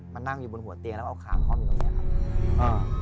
นั่งอยู่บนหัวเตียงแล้วเอาขางคล่อมอยู่ตรงเนี้ยครับอ่า